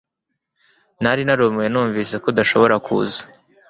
Nari narumiwe numvise ko udashobora kuza